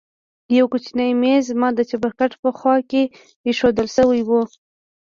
يو کوچنى ميز زما د چپرکټ په خوا کښې ايښوول سوى و.